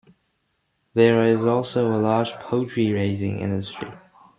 There is also a large poultry raising industry.